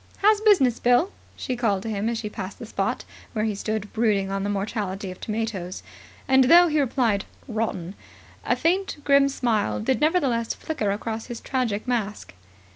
"How's business, Bill?" she called to him as she passed the spot where he stood brooding on the mortality of tomatoes. And, though he replied "Rotten", a faint, grim smile did nevertheless flicker across his tragic mask.